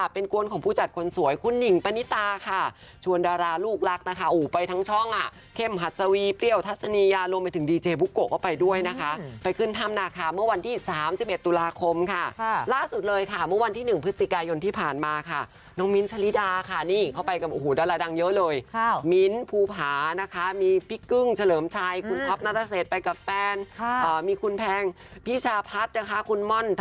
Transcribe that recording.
ผู้จัดคนสวยคุณหญิงปณิตาค่ะชวนดาราลูกรักนะคะอู่ไปทั้งช่องอะเข้มหัดสวีเปรี้ยวทัศนียารวมไปถึงดีเจบุ๊กโกะก็ไปด้วยนะคะไปขึ้นทำนาคาเมื่อวันที่๓จิบเอ็ดตุลาคมค่ะล่าสุดเลยค่ะเมื่อวันที่๑พฤศจิกายนที่ผ่านมาค่ะน้องมิ้นท์ชลิดาค่ะนี่เข้าไปกับโอ้โหดาราดังเยอะเลยมิ้นท์ภู